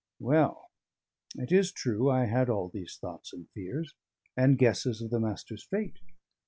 Well: it is true I had all these thoughts and fears, and guesses of the Master's fate.